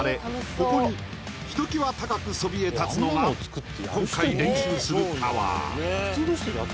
ここにひときわ高くそびえ立つのが今回練習するタワー